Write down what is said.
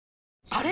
あれ？